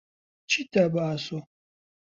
چیت دا بە ئاسۆ؟